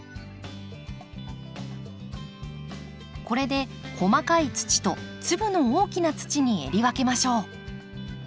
これで細かい土と粒の大きな土にえり分けましょう。